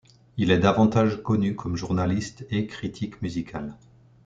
Il est davantage connu comme journaliste et critique musical.